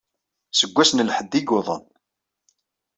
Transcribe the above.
Seg wass n lḥedd ay yuḍen.